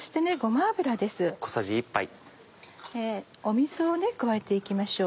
水を加えて行きましょう。